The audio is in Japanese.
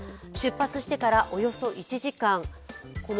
出発してからおよそ１時間。